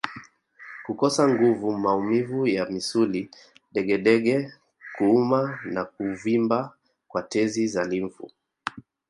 Kukosa nguvu maumivu ya misuli degedege kuuma na kuvimba kwa tezi za limfu